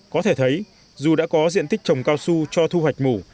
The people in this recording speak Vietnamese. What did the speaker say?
có thể thấy dù đã có diện tích trồng cao su cho thu hoạch mủ